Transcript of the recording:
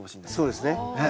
そうですね。